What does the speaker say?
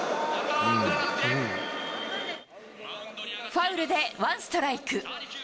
ファウルで、ワンストライク。